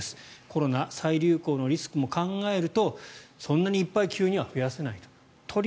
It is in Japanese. コロナ再流行のリスクも考えるとそんなにいっぱい急には増やせないと。